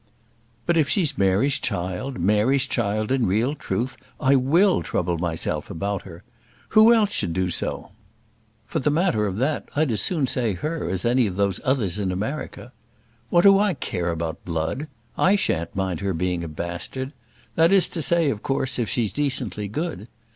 "But if she's Mary's child, Mary's child in real truth, I will trouble myself about her. Who else should do so? For the matter of that, I'd as soon say her as any of those others in America. What do I care about blood? I shan't mind her being a bastard. That is to say, of course, if she's decently good.